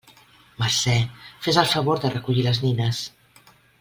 Mercè, fes el favor de recollir les nines!